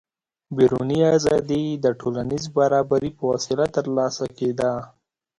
بیروني ازادي د ټولنیز برابري په وسیله ترلاسه کېده.